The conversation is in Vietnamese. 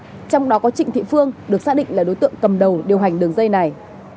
trong đó có trịnh thị phương được xác định là đối tượng cầm đầu điều hành đường dây này